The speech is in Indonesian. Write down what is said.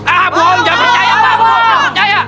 ah bohong jangan percaya bapak bohong jangan percaya